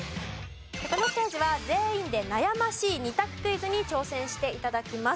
このステージは全員で悩ましい２択クイズに挑戦して頂きます。